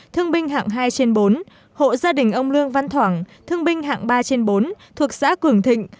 thương binh hạng hai trên bốn hộ gia đình ông lương văn thoảng thương binh hạng ba trên bốn thuộc xã cường thịnh